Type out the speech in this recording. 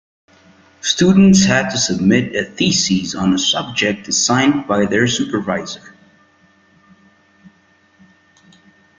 Students had to submit a thesis on a subject assigned by their supervisor.